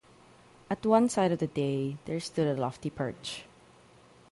At one side of the dais there stood a lofty perch.